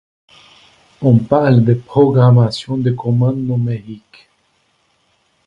On parle de programmation de commande numérique.